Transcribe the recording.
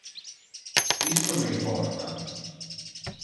Isto me importa.